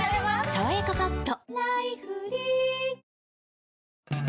「さわやかパッド」